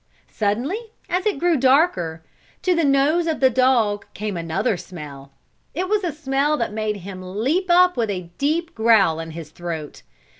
Suddenly, as it grew darker, to the nose of the dog came another smell. It was a smell that made him leap up with a deep growl in his throat.